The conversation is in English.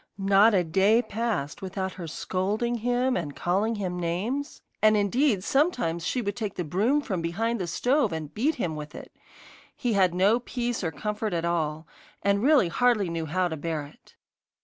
Not a day passed without her scolding him and calling him names, and indeed sometimes she would take the broom from behind the stove and beat him with it. He had no peace or comfort at all, and really hardly knew how to bear it.